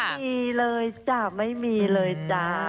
ไม่มีเลยจ้ะไม่มีเลยจ้า